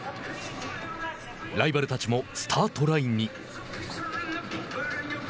ライバルたちもスタートラインに。